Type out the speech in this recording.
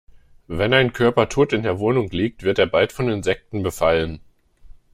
Wenn ein Körper tot in der Wohnung liegt, wird er bald von Insekten befallen.